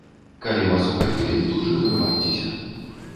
Калі вас ухапілі, тут жа вырывайцеся.